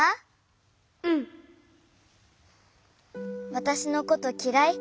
わたしのこときらい？